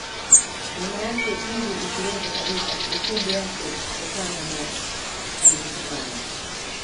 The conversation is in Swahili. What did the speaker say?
Nyama yake ili isiwepo kabisa kumbukumbu yake kutokana na alichikofanya